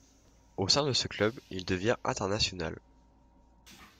Au sein de ce club, il devient international.